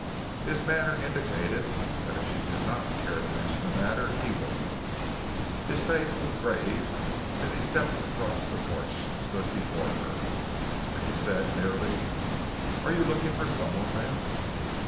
His manner indicated that if she did not care to mention the matter he would not. His face was grave as he stepped across the porch and stood before her. And he said merely: "Are you looking for someone, ma'am?"